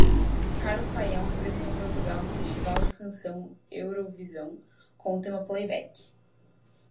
Carlos Paião representou Portugal no Festival da Canção Eurovisão com o tema "Playback".